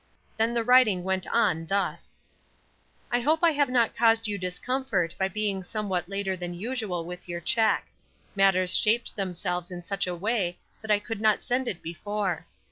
Then the writing went on thus: "I hope I have not caused you discomfort by being somewhat later than usual with your check. Matters shaped themselves in such a way that I could not send it before.